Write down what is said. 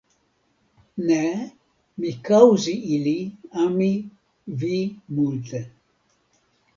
Ne, mi kaŭzi ili ami vi multe.